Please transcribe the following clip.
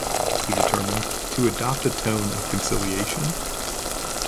He determined, to adopt a tone of conciliation.